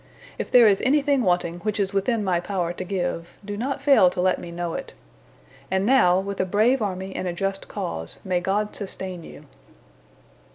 If there is anything wanting which is within my power to give, do not fail to let me know it. And now, with a brave army and a just cause, may God sustain you."